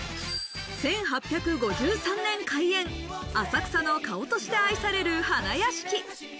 １８５０年開園、浅草の顔として愛される花やしき。